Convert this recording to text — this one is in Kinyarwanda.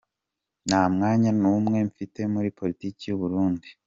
Nta mwanya n’umwe mfite muri Politiki y’Uburundi.